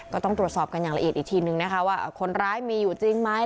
ก็ต้องตรวจสอบกันอย่างละเอียดอีกทีนึงนะคะว่าคนร้ายมีอยู่จริงไหม